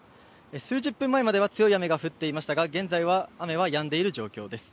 数十分前までは強い雨が降っていましたが現在は雨がやんでいる状況です。